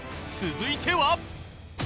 続いては。